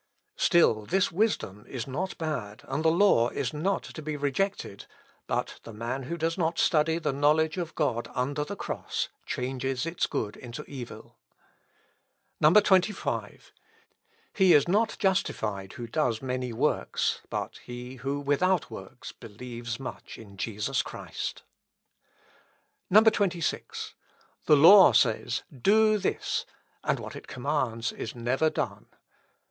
24. "Still this wisdom (§ 22) is not bad; and the law (§ 23) is not to be rejected; but the man who does not study the knowledge of God under the cross, changes its good into evil. 25. "He is not justified who does many works; but he who, without works, believes much in Jesus Christ. 26. "The law says, Do this! And what it commands is never done.